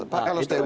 pak carlos tehu itu